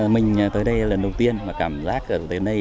mình tới đây lần đầu tiên cảm giác đến đây